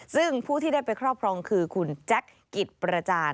ซึ่งผู้ที่ได้ไปครอบครองคือคุณแจ็คกิจประจาน